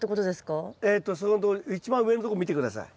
そこんとこ一番上のとこ見て下さい。